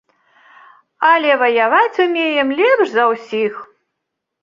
Але ваяваць умеем лепш за ўсіх.